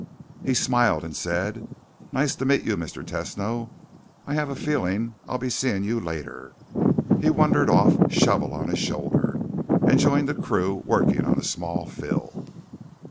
He smiled and said, "Nice to meet you, Mr. Tesno. I have a feeling I'll be seeing you later." He wandered off, shovel on his shoulder, and joined a crew working on a small fill.